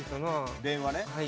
電話ね。